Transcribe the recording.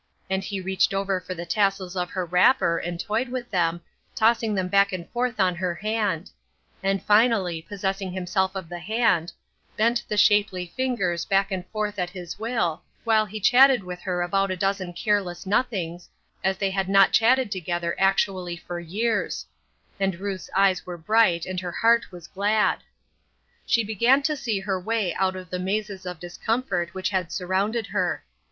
And he reached for the tassels of her wrapper and toyed with them, tossing them back and forth on her hand ; and finally, possessing himself of the hand, bent the shapely fingers back and forth at his will, while he chatted with her about a dozen careless nothings, as they had not chatted together actually for years ; and Ruth's eyes were bright and her heart was glad. She began to see her way out of the mazes of discomfort which had surrounded her.